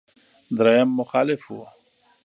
درېيم مخالف و.